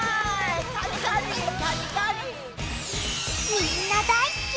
みんな大好き！